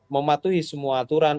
mematuhi semua aturan